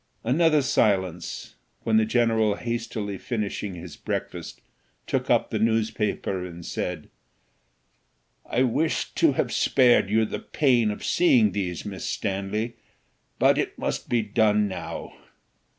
Another silence, when the general hastily finishing his breakfast, took up the newspaper, and said, "I wished to have spared you the pain of seeing these, Miss Stanley, but it must be done now.